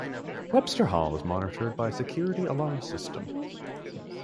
Webster Hall is monitored by a security alarm system.